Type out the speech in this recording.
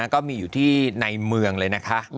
ก็มีอยู่ที่ในเมืองเลยนะคะ